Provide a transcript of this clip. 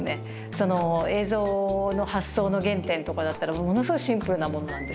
その映像の発想の原点とかだったらものすごいシンプルなものなんですよ。